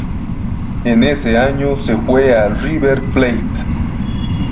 En ese año se fue a River Plate.